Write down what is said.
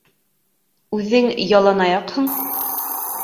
Үҙең ялан аяҡһың.